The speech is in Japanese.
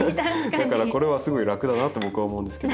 だからこれはすごい楽だなと僕は思うんですけど。